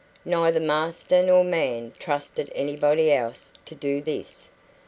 Neither master nor man trusted anybody else to do this.